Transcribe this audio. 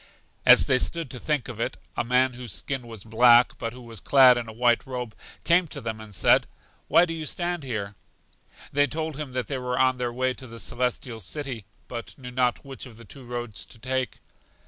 As they stood to think of it, a man whose skin was black, but who was clad in a white robe, came to them and said: Why do you stand here? They told him that they were on their way to The Celestial City, but knew not which of the two roads to take.